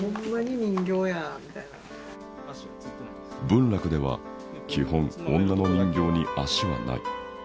文楽では基本女の人形に足はない。